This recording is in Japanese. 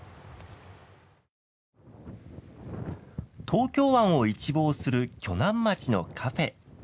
東京湾を一望する鋸南町のカフェ。